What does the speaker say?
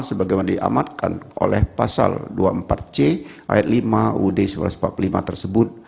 sebagaimana diamatkan oleh pasal dua puluh empat c ayat lima ud seribu sembilan ratus empat puluh lima tersebut